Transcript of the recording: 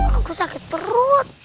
aku sakit perut